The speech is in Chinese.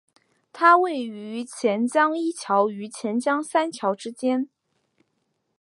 它位于钱江一桥与钱江三桥之间。